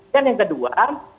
dan yang kedua